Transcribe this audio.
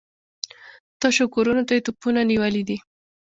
تشو کورونو ته يې توپونه نيولي دي.